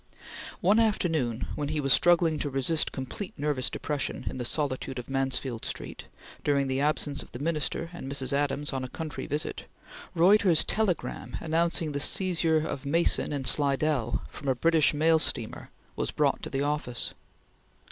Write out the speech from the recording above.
One afternoon when he was struggling to resist complete nervous depression in the solitude of Mansfield Street, during the absence of the Minister and Mrs. Adams on a country visit, Reuter's telegram announcing the seizure of Mason and Slidell from a British mail steamer was brought to the office.